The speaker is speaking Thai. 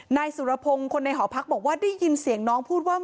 นายสุรพงศ์คนในหอพักบอกว่าได้ยินเสียงน้องพูดว่า